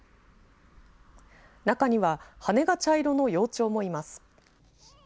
中には羽根が茶色の幼鳥もいます。